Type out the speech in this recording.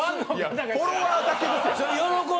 フォロワーだけですやん。